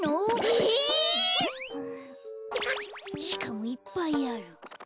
しかもいっぱいある。